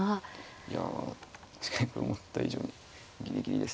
いやしかし思った以上にギリギリですね。